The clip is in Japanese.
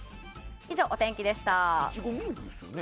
以上、お天気でした。